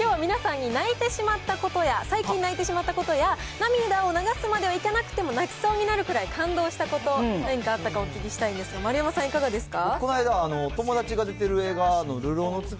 そんな柴田さんがいらっしゃるということで、きょうは皆さんに泣いてしまったことや、最近泣いてしまったことや、涙を流すまではいかなくても泣きそうになるくらい感動したこと、何かあったかお聞きしたいんですが、丸山さん、いかがですか？